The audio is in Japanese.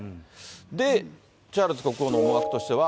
で、チャールズ国王の思惑としては。